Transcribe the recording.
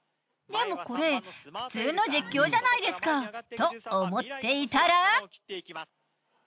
でもこれ普通の実況じゃないですか。と思っていたら。